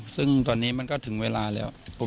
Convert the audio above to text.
ซึ่งตอนนี้มันก็ถึงเวลาแล้ว